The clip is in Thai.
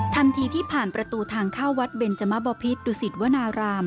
ทันทีที่ผ่านประตูทางเข้าวัดเบนจมบพิษดุสิตวนาราม